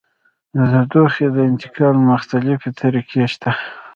د تودوخې د انتقال مختلفې طریقې شته.